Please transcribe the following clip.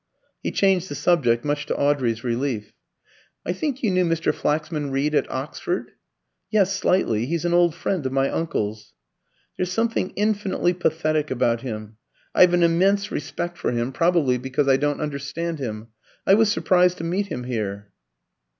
He changed the subject, much to Audrey's relief. "I think you knew Mr. Flaxman Reed at Oxford?" "Yes, slightly. He's an old friend of my uncle's." "There's something infinitely pathetic about him. I've an immense respect for him probably because I don't understand him. I was surprised to meet him here."